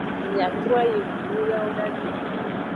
Miatroayi hunun yawodagbe.